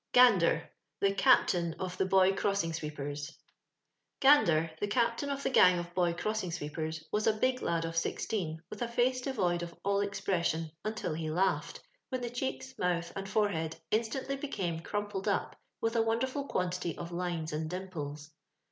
'* Gandeb — The " Cattain " of the Boy Cbossino Sweepebs. Gandeb, the captain of the gang of boy cross ing sweepers, was a big lad of sixteen, with a face devoid of all expression, until he laughed, when the cheeks, mouth, and forehead in stantly became crumpled up with a wonderful quantity of lines and dimples.